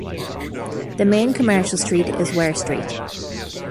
The main commercial street is Were Street.